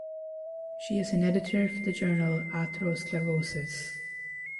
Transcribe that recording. She is an editor for the journal Atherosclerosis.